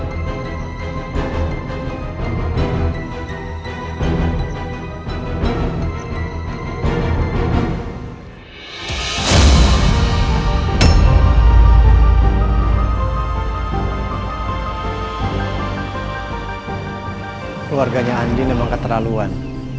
keluarganya andi memang keterlaluan